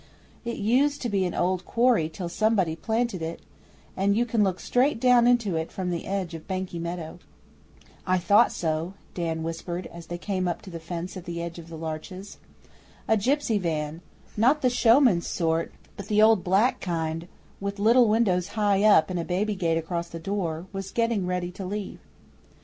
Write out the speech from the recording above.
It used to be an old quarry till somebody planted it, and you can look straight down into it from the edge of Banky Meadow. 'I thought so,' Dan whispered, as they came up to the fence at the edge of the larches. A gipsy van not the show man's sort, but the old black kind, with little windows high up and a baby gate across the door was getting ready to leave.